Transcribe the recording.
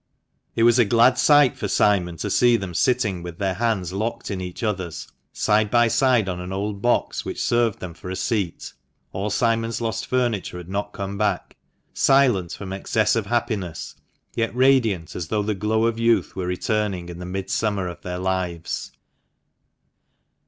It was a glad sight for Simon to see them sitting with their hands locked in each other's, side by side on an old box, which served them for a seat — all Simon's lost furniture had not come back — silent from excess of happiness, yet radiant as though the glow of youth were returning in the Midsummer of their lives.